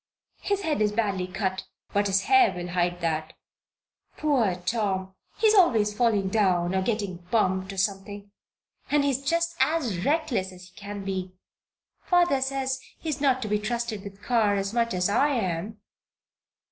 His head is badly cut, but his hair will hide that. Poor Tom! he is always falling down, or getting bumped, or something. And he's just as reckless as he can be. Father says he is not to be trusted with the car as much as I am."